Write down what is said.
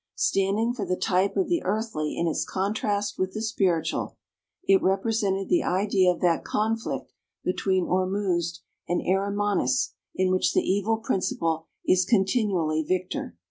Standing for the type of the earthly in its contrast with the spiritual, it represented the idea of that conflict between Ormuzd and Arimanes in which the evil principle is continually victor.